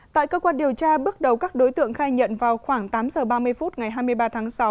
tại cơ quan điều tra bước đầu các đối tượng khai nhận vào khoảng tám h ba mươi phút ngày hai mươi ba tháng sáu